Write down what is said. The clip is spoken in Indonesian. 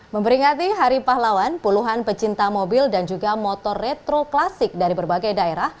memperingati hari pahlawan puluhan pecinta mobil dan juga motor retro klasik dari berbagai daerah